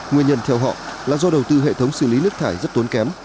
nguyên nhân theo họ là do đầu tư hệ thống xử lý nước thải rất tốn kém